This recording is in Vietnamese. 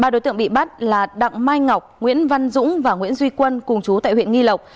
ba đối tượng bị bắt là đặng mai ngọc nguyễn văn dũng và nguyễn duy quân cùng chú tại huyện nghi lộc